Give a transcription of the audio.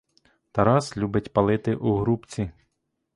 Тарас любить палити у грубці.